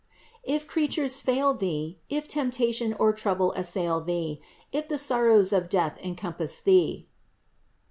If creatures fail thee, if temptation or trouble assail thee, if the sorrows of death encompass thee (Ps.